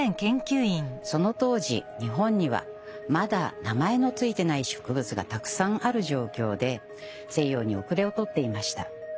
その当時日本にはまだ名前の付いてない植物がたくさんある状況で西洋に後れを取っていました。